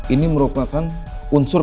ini merupakan unsur